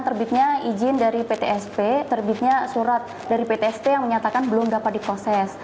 terbitnya izin dari ptsp terbitnya surat dari ptst yang menyatakan belum dapat diproses